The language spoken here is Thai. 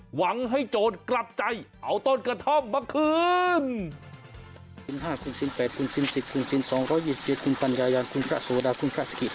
หวังให้โจรกลับใจเอาต้นกระท่อมมาคืน